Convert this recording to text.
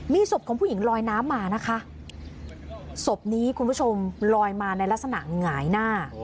มีศพของผู้หญิงลอยน้ำมานะคะศพนี้คุณผู้ชมลอยมาในลักษณะหงายหน้า